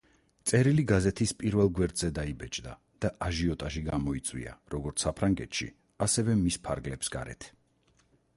წერილი გაზეთის პირველ გვერდზე დაიბეჭდა და აჟიოტაჟი გამოიწვია, როგორც საფრანგეთში, ასევე მის ფარგლებს გარეთ.